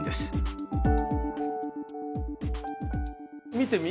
見てみ。